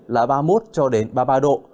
là ba mươi một cho đến ba mươi ba độ